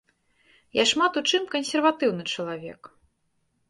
Я шмат у чым кансерватыўны чалавек.